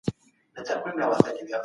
انسان ته د عقل او پوهي نعمت ورکړل سوی دی.